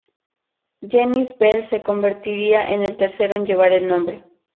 Genis-Vell se convertiría en el tercero en llevar el nombre.